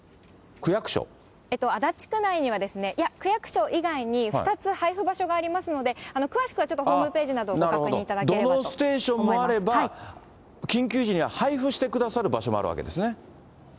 区役所？足立区内には、いや、区役所以外に２つ配布場所がありますので、詳しくはちょっとホームページなどをご確認いただければと思いまなるほど、土のうステーションもあれば、緊急時には配布してくださる場所もあるわけですね。